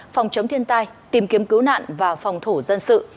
phòng chống thiên tai tìm kiếm cứu nạn và phòng thủ dân sự